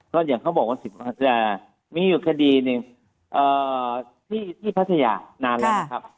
ก็อย่างเขาบอกว่าจะมีอยู่คดีหนึ่งที่พัทยานานแล้วนะครับ